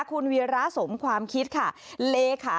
คุณวิราศสมความคิดค่ะ